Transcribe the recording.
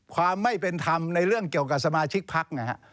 ความไม่เป็นธรรมในเรื่องเกี่ยวกับสมาชิกพักนะฮะ